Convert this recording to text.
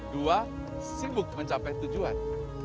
dua sibuk mencapai tujuan